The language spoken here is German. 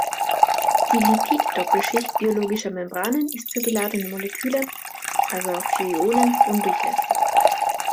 Die Lipiddoppelschicht biologischer Membranen ist für geladene Moleküle, also auch für Ionen, undurchlässig.